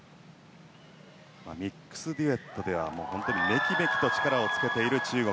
ミックスデュエットではめきめきと力をつけている中国。